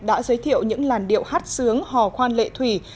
đã giới thiệu những làn điệu hát sướng hò khoan lệ thủy